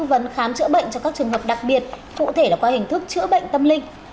tư vấn khám chữa bệnh cho các trường hợp đặc biệt cụ thể là qua hình thức chữa bệnh tâm linh